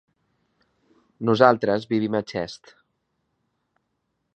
Nosaltres vivim a Xest.